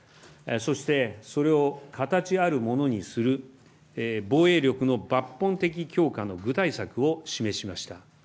そしてそれを形あるものにする防衛力の抜本的強化の具体策を示しました。